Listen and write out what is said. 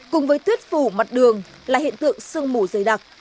cùng với tuyết phủ mặt đường là hiện tượng sương mù dày đặc